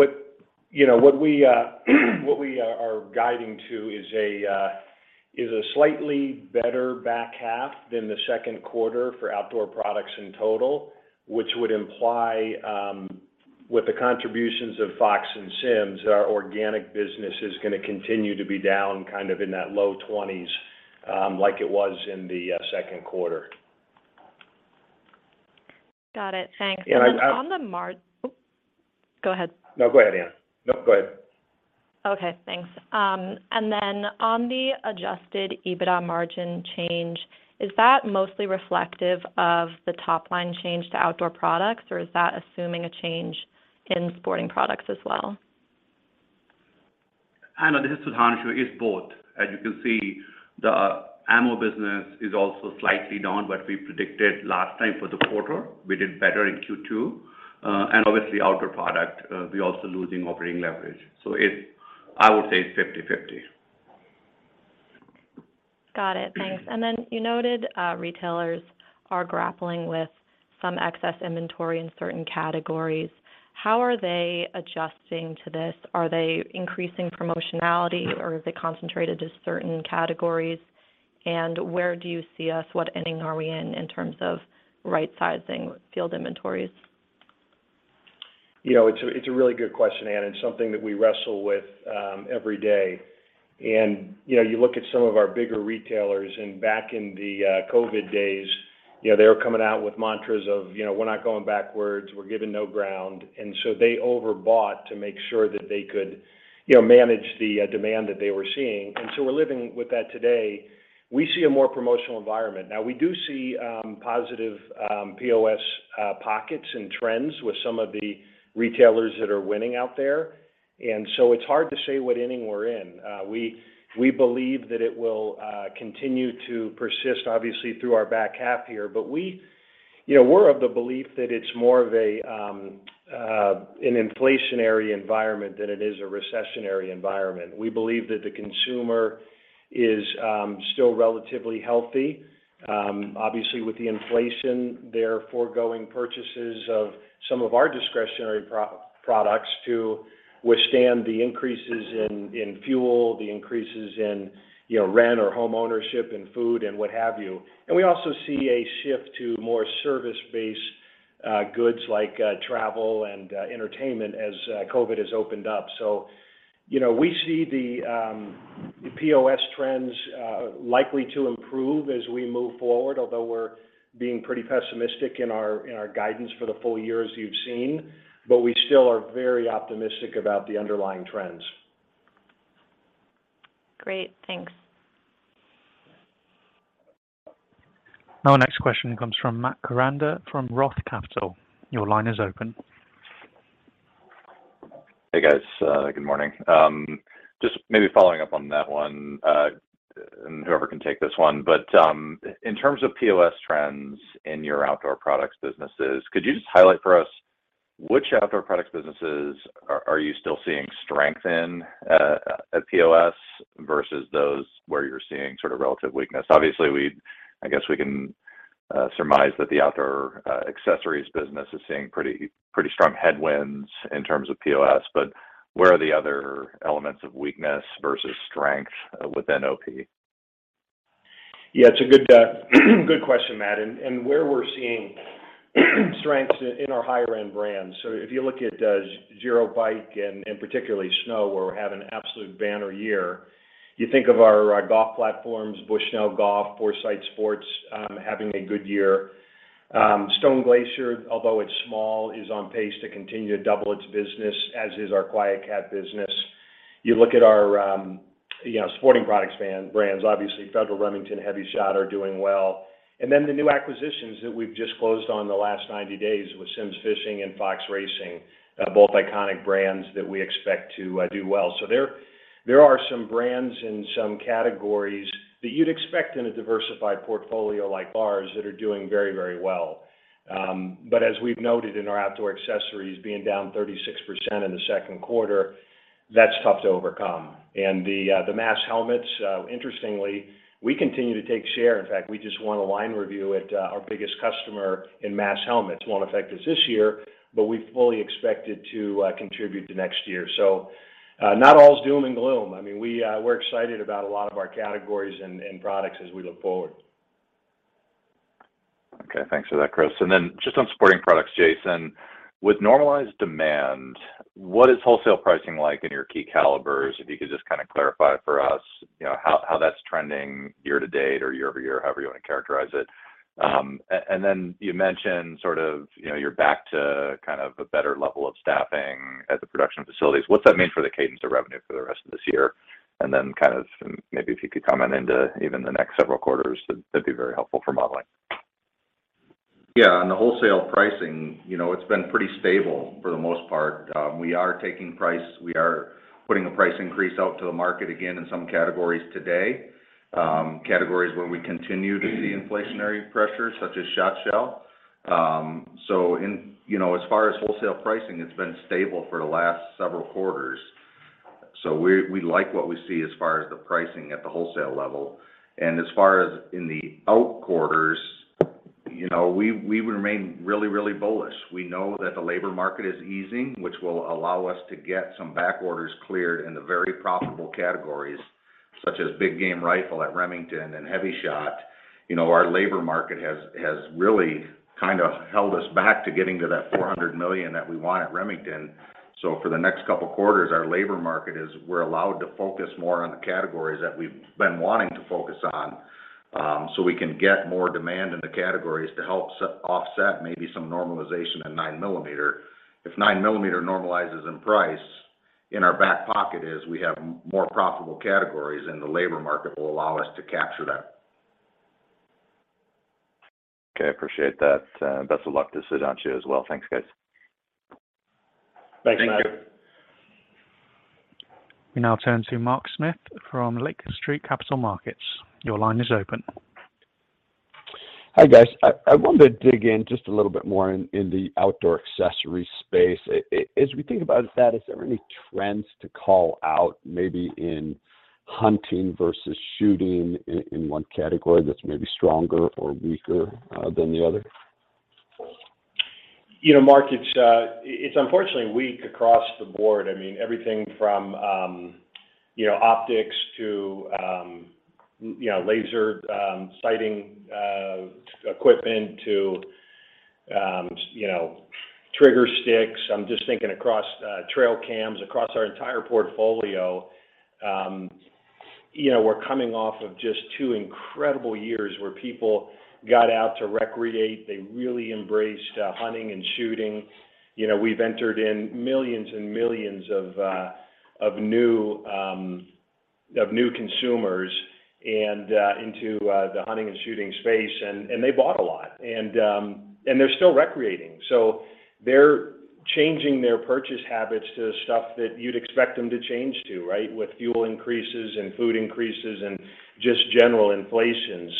C: you know, what we are guiding to is a slightly better back half than the second quarter for Outdoor Products in total, which would imply, with the contributions of Fox and Simms, our organic business is gonna continue to be down kind of in that low 20s, like it was in the second quarter.
H: Got it. Thanks.
C: And I-
H: Go ahead.
C: No, go ahead, Anna. No, go ahead.
H: Okay. Thanks. On the Adjusted EBITDA margin change, is that mostly reflective of the top line change to Outdoor Products? Or is that assuming a change in Sporting Products as well?
E: Anna, this is Sudhanshu. It's both. As you can see, the ammo business is also slightly down, what we predicted last time for the quarter. We did better in Q2. Obviously Outdoor Products, we're also losing operating leverage. It's, I would say, 50/50.
H: Got it. Thanks. You noted retailers are grappling with some excess inventory in certain categories. How are they adjusting to this? Are they increasing promotionality, or are they concentrated to certain categories? Where do you see us? What inning are we in terms of right-sizing filled inventories?
C: You know, it's a really good question, Anna, and something that we wrestle with every day. You know, you look at some of our bigger retailers, and back in the COVID days, you know, they were coming out with mantras of, you know, "We're not going backwards. We're giving no ground." They overbought to make sure that they could, you know, manage the demand that they were seeing. We're living with that today. We see a more promotional environment. Now, we do see positive POS pockets and trends with some of the retailers that are winning out there. And it's hard to say what inning we're in. We believe that it will continue to persist obviously through our back half here. We, you know, we're of the belief that it's more of an inflationary environment than it is a recessionary environment. We believe that the consumer is still relatively healthy. Obviously with the inflation, they're foregoing purchases of some of our discretionary products to withstand the increases in fuel, the increases in, you know, rent or homeownership and food and what have you. We also see a shift to more service-based goods like travel and entertainment as COVID has opened up. You know, we see the POS trends likely to improve as we move forward, although we're being pretty pessimistic in our guidance for the full year as you've seen. We still are very optimistic about the underlying trends.
H: Great. Thanks.
A: Our next question comes from Matthew Koranda from Roth Capital. Your line is open.
I: Hey, guys. Good morning. Just maybe following up on that one, and whoever can take this one. In terms of POS trends in your Outdoor Products businesses, could you just highlight for us which Outdoor Products businesses are you still seeing strength in at POS, versus those where you're seeing sort of relative weakness? Obviously, I guess we can surmise that the Outdoor Accessories business is seeing pretty strong headwinds in terms of POS. But where are the other elements of weakness versus strength within OP?
C: Yeah, it's a good question, Matthew, and where we're seeing strengths in our higher-end brands. If you look at Giro bike and particularly Snow, where we're having an absolute banner year. You think of our golf platforms, Bushnell Golf, Foresight Sports, having a good year. Stone Glacier, although it's small, is on pace to continue to double its business, as is our QuietKat business. You look at our, you know, Sporting Products brands, obviously Federal, Remington and HEVI-Shot are doing well. Then the new acquisitions that we've just closed on in the last 90 days with Simms Fishing and Fox Racing, both iconic brands that we expect to do well. There are some brands in some categories that you'd expect in a diversified portfolio like ours that are doing very, very well. As we've noted in our Outdoor Accessories being down 36% in the second quarter, that's tough to overcome. The mass helmets, interestingly, we continue to take share. In fact, we just won a line review at our biggest customer in mass helmets. Won't affect us this year, but we fully expect it to contribute to next year. Not all is doom and gloom. I mean, we're excited about a lot of our categories and products as we look forward.
I: Okay. Thanks for that, Chris. Just on Sporting Products, Jason, with normalized demand. What is wholesale pricing like in your key calibers? If you could just kind of clarify for us, you know. How that's trending year-to-date or year-over-year? However you wanna characterize it. You mentioned sort of, you know, you're back to kind of a better level of staffing at the production facilities. What's that mean for the cadence of revenue for the rest of this year? Kind of maybe if you could comment into even the next several quarters, that'd be very helpful for modeling.
D: Yeah. On the wholesale pricing, you know, it's been pretty stable for the most part. We are taking price. We are putting a price increase out to the market again in some categories today. Categories where we continue to see inflationary pressure, such as shot shell. You know, as far as wholesale pricing, it's been stable for the last several quarters. So we like what we see as far as the pricing at the wholesale level. As far as in the out quarters, you know, we remain really bullish. We know that the labor market is easing, which will allow us to get some back orders cleared in the very profitable categories, such as big game rifle at Remington and HEVI-Shot. You know, our labor market has really kind of held us back from getting to that $400 million that we want at Remington. For the next couple quarters, our labor market is we're allowed to focus more on the categories that we've been wanting to focus on, so we can get more demand in the categories to help offset maybe some normalization in 9 mm. If 9 mm normalizes in price, in our back pocket is we have more profitable categories, and the labor market will allow us to capture that.
I: Okay. Appreciate that. Best of luck to Sudhanshu as well. Thanks, guys.
C: Thanks, Matt.
D: Thank you.
A: We now turn to Mark Smith from Lake Street Capital Markets. Your line is open.
J: Hi, guys. I wanted to dig in just a little bit more in the Outdoor Accessories space. As we think about that, is there any trends to call out maybe in hunting versus shooting in one category that's maybe stronger or weaker than the other?
C: You know, Mark, it's unfortunately weak across the board. I mean, everything from optics to laser sighting equipment to trigger sticks. I'm just thinking across trail cams, across our entire portfolio. You know, we're coming off of just two incredible years where people got out to recreate. They really embraced hunting and shooting. You know, we've entered in millions and millions of new consumers into the hunting and shooting space and they bought a lot. They're still recreating. They're changing their purchase habits to stuff that you'd expect them to change to, right? With fuel increases and food increases and just general inflation.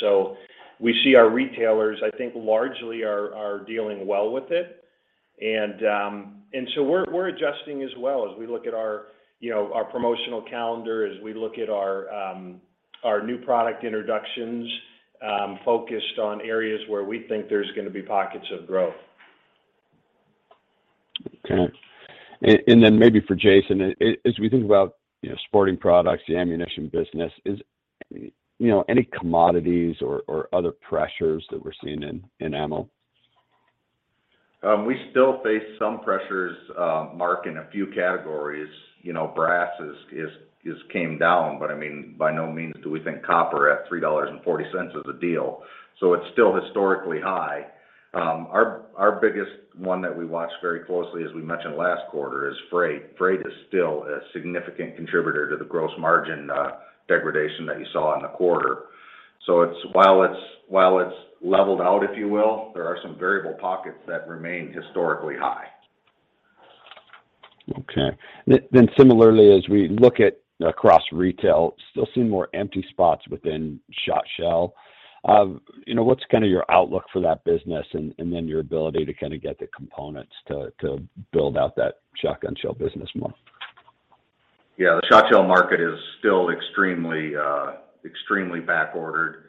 C: We see our retailers, I think, largely are dealing well with it. We're adjusting as well as we look at our, you know, our promotional calendar, as we look at our new product introductions, focused on areas where we think there's gonna be pockets of growth.
J: Okay. Then maybe for Jason, as we think about, you know, Sporting Products, the ammunition business, is. You know, any commodities or other pressures that we're seeing in ammo?
D: We still face some pressures, Mark, in a few categories. You know, brass prices came down, but I mean, by no means do we think copper at $3.40 is a deal. It's still historically high. Our biggest one that we watched very closely, as we mentioned last quarter, is freight. Freight is still a significant contributor to the gross margin degradation that you saw in the quarter. It's while it's leveled out, if you will, there are some variable pockets that remain historically high.
J: Similarly, as we look across retail, still see more empty spots within shot shell. You know, what's kind of your outlook for that business and then your ability to kind of get the components to build out that shotgun shell business more?
D: Yeah. The shot shell market is still extremely backordered.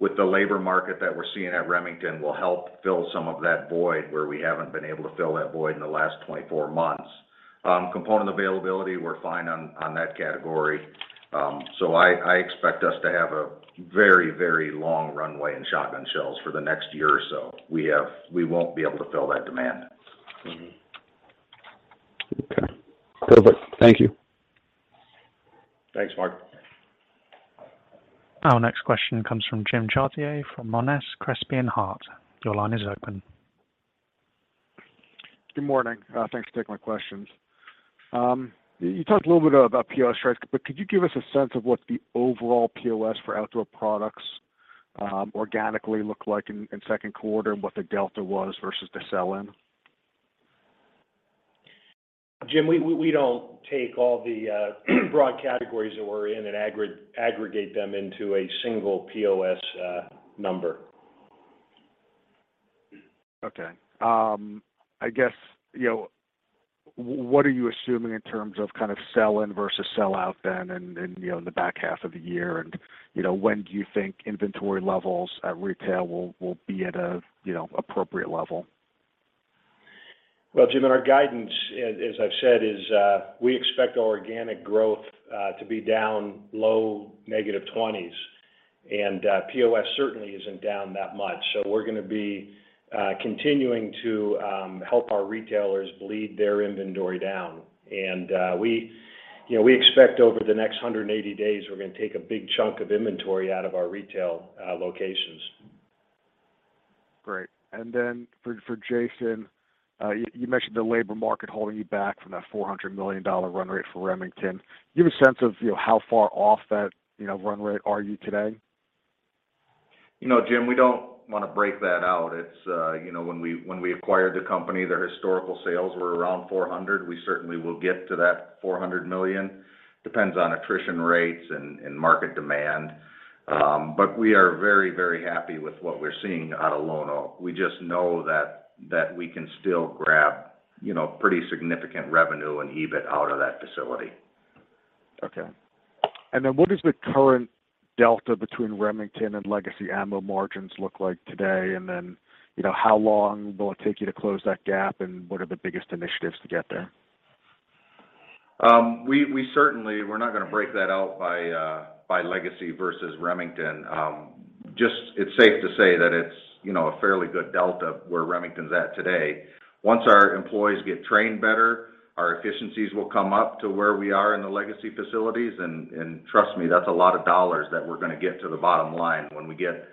D: With the labor market that we're seeing at Remington will help fill some of that void where we haven't been able to fill that void in the last 24 months. Component availability, we're fine on that category. I expect us to have a very long runway in shotgun shells for the next year or so. We won't be able to fill that demand.
J: Okay. Perfect. Thank you.
C: Thanks, Mark.
A: Our next question comes from James Chartier from Monness, Crespi, Hardt. Your line is open.
K: Good morning. Thanks for taking my questions. You talked a little bit about POS trends, but could you give us a sense of what the overall POS for Outdoor Products organically look like in second quarter, and what the delta was versus the sell-in?
C: James, we don't take all the broad categories that we're in and aggregate them into a single POS number.
K: Okay. I guess, you know, what are you assuming in terms of kind of sell-in versus sell-out then and you know, in the back half of the year? You know, when do you think inventory levels at retail will be at a you know, appropriate level?
C: Well, James, in our guidance, as I've said, we expect our organic growth to be down low -20s. POS certainly isn't down that much. We're gonna be continuing to help our retailers bleed their inventory down. We, you know, expect over the next 180 days, we're gonna take a big chunk of inventory out of our retail locations.
K: Great. For Jason, you mentioned the labor market holding you back from that $400 million run rate for Remington. Do you have a sense of, you know, how far off that, you know, run rate are you today?
D: You know, James, we don't wanna break that out. It's, you know, when we acquired the company, their historical sales were around $400 million. We certainly will get to that $400 million. Depends on attrition rates and market demand. We are very, very happy with what we're seeing out of Lonoke. We just know that we can still grab, you know, pretty significant revenue and EBIT out of that facility.
K: Okay. What does the current delta between Remington and Legacy Ammo margins look like today? You know, how long will it take you to close that gap, and what are the biggest initiatives to get there?
D: We're certainly not gonna break that out by Legacy versus Remington. It's safe to say that it's, you know, a fairly good delta where Remington's at today. Once our employees get trained better, our efficiencies will come up to where we are in the Legacy facilities, and trust me, that's a lot of dollars that we're gonna get to the bottom line when we get,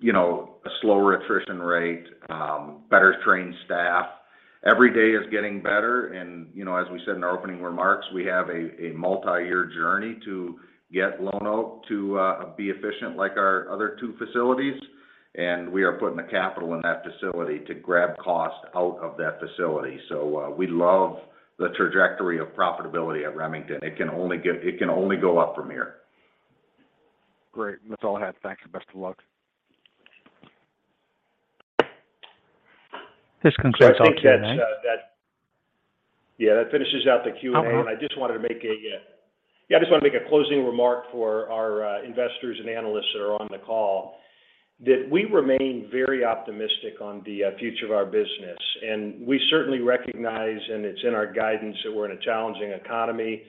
D: you know, a slower attrition rate, better trained staff. Every day is getting better and, you know, as we said in our opening remarks, we have a multi-year journey to get Lonoke to be efficient like our other two facilities. And we are putting the capital in that facility to grab cost out of that facility. We love the trajectory of profitability at Remington. It can only go up from here.
K: Great. That's all I had. Thanks and best of luck.
A: This concludes our Q&A.
C: I think that's that. Yeah, that finishes out the Q&A.
A: Uh-huh.
C: I just wanted to make a closing remark for our investors and analysts that are on the call, that we remain very optimistic on the future of our business. We certainly recognize, and it's in our guidance, that we're in a challenging economy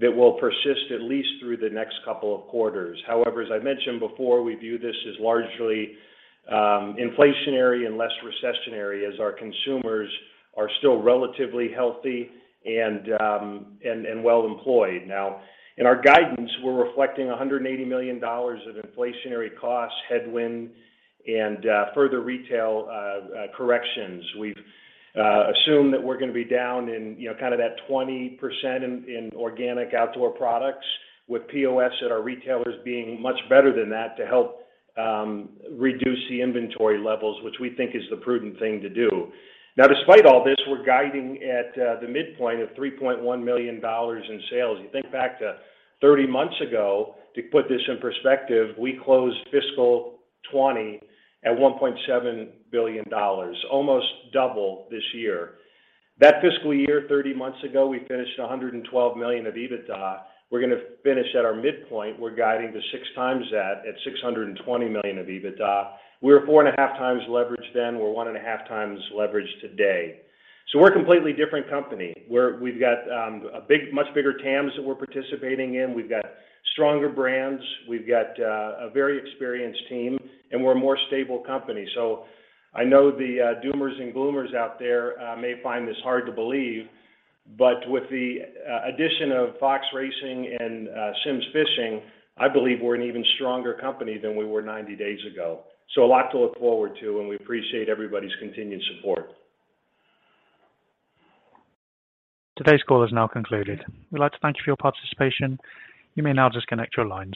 C: that will persist at least through the next couple of quarters. However, as I mentioned before, we view this as largely inflationary and less recessionary as our consumers are still relatively healthy and well-employed. Now, in our guidance, we're reflecting $180 million of inflationary costs headwind and further retail corrections. We've assumed that we're gonna be down in, you know, kind of that 20% in organic Outdoor Products with POS at our retailers being much better than that. To help reduce the inventory levels, which we think is the prudent thing to do. Despite all this, we're guiding at the midpoint of $3.1 million in sales. You think back to 30 months ago, to put this in perspective, we closed fiscal 2020 at $1.7 billion, almost double this year. That fiscal year, 30 months ago, we finished $112 million of EBITDA. We're gonna finish at our midpoint, we're guiding to 6x that at $620 million of EBITDA. We were 4.5x leverage then, we're 1.5x leverage today. We're a completely different company. We've got a big, much bigger TAMs that we're participating in. We've got stronger brands. We've got a very experienced team, and we're a more stable company. I know the doomers and gloomers out there may find this hard to believe. But with the addition of Fox Racing and Simms Fishing, I believe we're an even stronger company than we were 90 days ago. A lot to look forward to, and we appreciate everybody's continued support.
A: Today's call is now concluded. We'd like to thank you for your participation. You may now disconnect your lines.